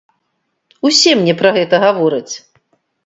Усе мне пра гэта гавораць.